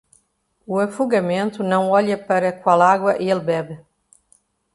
O afogamento não olha para qual água ele bebe.